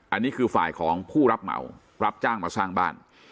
อันนี้คือฝ่ายของผู้รับเหมารับจ้างมาสร้างบ้าน